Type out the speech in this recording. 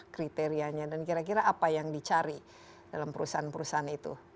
kriterianya dan kira kira apa yang dicari dalam perusahaan perusahaan itu